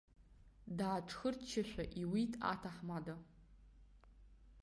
Дааҽхырччашәа иуит аҭаҳмада.